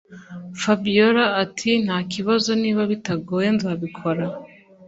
Fabiora atintakibazo niba bitagoye nzabikora